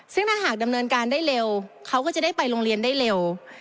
ซึ่งถ้าหากดำเนินการได้เร็วเขาก็จะได้ไปโรงเรียนได้เร็ว